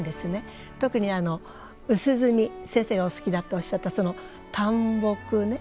特に薄墨先生がお好きだとおっしゃったその淡墨ね。